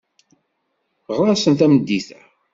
Ɣer-asen tameddit-a.